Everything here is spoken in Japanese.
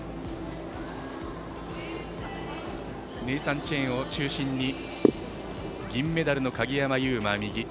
ネイサン・チェンを中心に銀メダルの鍵山優真、右。